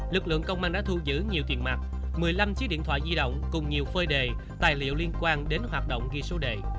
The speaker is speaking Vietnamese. lực lượng công an đã thu giữ nhiều tiền mặt một mươi năm chiếc điện thoại di động cùng nhiều phơi đề tài liệu liên quan đến hoạt động ghi số đề